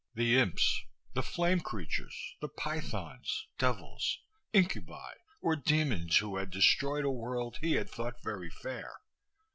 the imps, the "flame creatures," the pythons, devils, incubi or demons who had destroyed a world he had thought very fair.